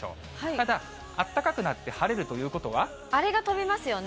ただ、あったかくなって晴れるとあれが飛びますよね。